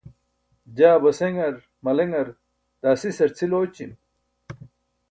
jaa baseṅar, maleṅar, daa sisar cʰil ooćim